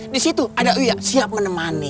disitu ada uya siap menemani